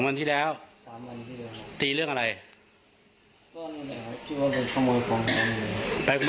เบ้าตาใช่ไหม